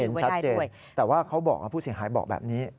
ชัดเจนแต่ว่าเขาบอกว่าผู้เสียหายบอกแบบนี้